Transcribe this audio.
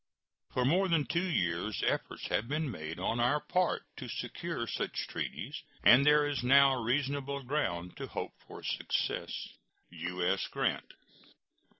For more than two years efforts have been made on our part to secure such treaties, and there is now reasonable ground to hope for success. U.S. GRANT.